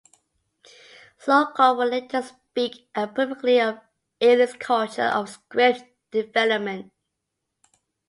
Slocombe would later speak approvingly of Ealing's culture of script development.